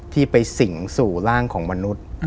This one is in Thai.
ที่ไปสิงสู่ร่างของมนุษย์